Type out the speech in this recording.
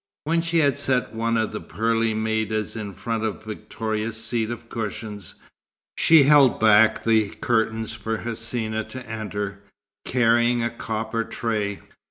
When she had set one of the pearly maidas in front of Victoria's seat of cushions, she held back the curtains for Hsina to enter, carrying a copper tray.